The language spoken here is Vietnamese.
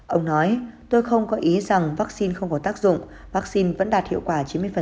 ông nói tôi không có ý rằng vaccine không có tác dụng vaccine vẫn đạt hiệu quả chín mươi